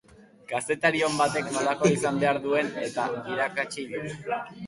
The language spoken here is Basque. Kazetari on batek nolakoa izan behar duen ere irakatsi digu.